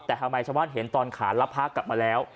แต่ทำไมชาวบ้านเห็นตอนขาแล้วพระกลับมาแล้ว